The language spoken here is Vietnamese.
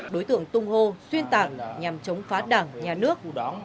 đối tượng tung hô xuyên tạc nhằm chống phá đảng nhà nước